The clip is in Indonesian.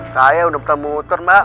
saya udah ketemu muter mbak